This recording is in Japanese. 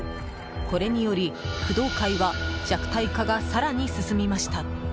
これにより、工藤会は弱体化が更に進みました。